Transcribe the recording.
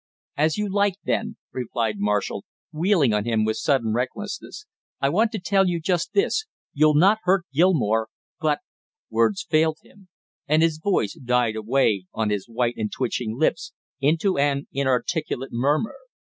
"As you like, then," replied Marshall, wheeling on him with sudden recklessness. "I want to tell you just this you'll not hurt Gilmore, but " Words failed him, and his voice died away on his white and twitching lips into an inarticulate murmur.